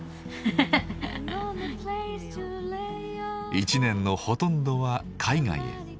一年のほとんどは海外へ。